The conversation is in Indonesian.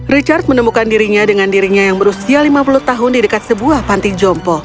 richard menemukan dirinya dengan dirinya yang berusia lima puluh tahun di dekat sebuah panti jompo